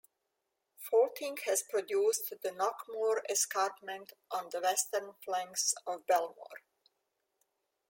Faulting has produced the Knockmore escarpment on the western flanks of Belmore.